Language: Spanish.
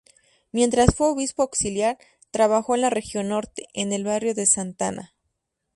Mientras fue obispo auxiliar, trabajó en la región norte, en el barrio de Santana.